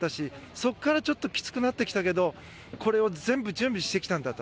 そこからちょっときつくなってきたけどこれを全部準備してきたんだと。